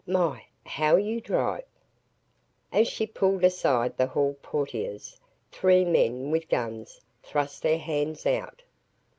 My, how you drive!" As she pulled aside the hall portieres, three men with guns thrust their hands out.